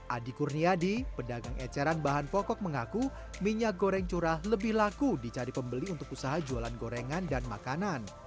adi kurniadi pedagang eceran bahan pokok mengaku minyak goreng curah lebih laku dicari pembeli untuk usaha jualan gorengan dan makanan